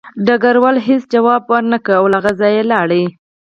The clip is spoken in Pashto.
ډګروال هېڅ ځواب ورنکړ او له هغه ځایه لاړ